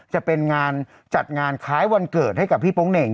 จะเป็นงานจัดงานคล้ายวันเกิดให้กับพี่โป๊งเหน่ง